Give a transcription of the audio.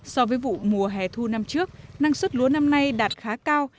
so với vụ mùa hè thu năm trước năng suất lúa năm nay đạt khá cao